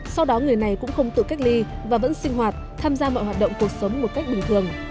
sau đó người này cũng không tự cách ly và vẫn sinh hoạt tham gia mọi hoạt động cuộc sống một cách bình thường